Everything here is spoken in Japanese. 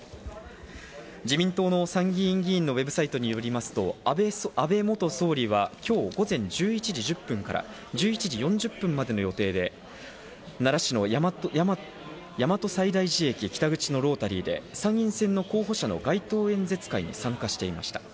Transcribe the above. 自民党の参議院議員のＷＥＢサイトによりますと、安倍元総理は今日午前１１時１０分から１１時４０分までの予定で、奈良市の大和西大寺駅北口のロータリーで、参院選の候補者の街頭演説会に参加していました。